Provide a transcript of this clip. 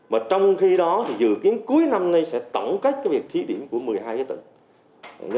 mà trong khi đó thì dự kiến cuối năm nay sẽ tổng cách cái việc thí điểm của một mươi hai cái tỉnh